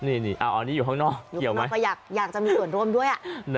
อันนี้อยู่ข้างนอกอยากจะมีส่วนร่วมด้วย